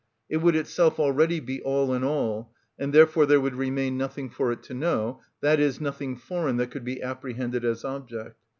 It would itself already be all in all, and therefore there would remain nothing for it to know, i.e., nothing foreign that could be apprehended as object.